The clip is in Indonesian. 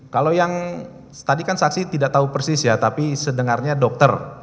kalau yang tadi kan saksi tidak tahu persis ya tapi sebenarnya dokter